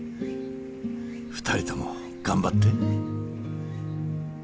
２人とも頑張って。